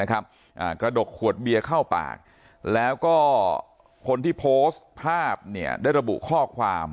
กระดกขวดเบียร์เข้าปากแล้วก็คนที่โพสต์ภาพได้ระบุข้อความ